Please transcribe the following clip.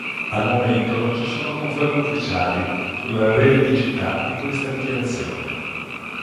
Al momento non ci sono conferme ufficiali sulla veridicità di questa dichiarazione.